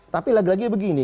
tapi lagi lagi begini